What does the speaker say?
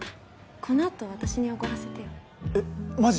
このあと私におごらせてよえっマジ？